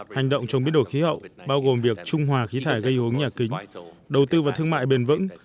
hành động chống biến đổi khí hậu bao gồm việc trung hòa khí thải gây hướng nhà kính đầu tư và thương mại bền vững